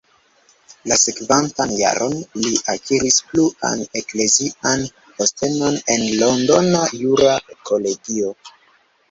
La sekvantan jaron li akiris pluan eklezian postenon en londona jura kolegio.